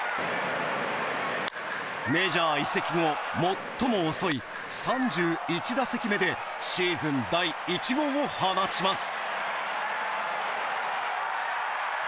メジャー移籍後最も遅い３１打席目でシーズン第１号を放ちます。